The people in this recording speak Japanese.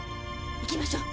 行きましょう。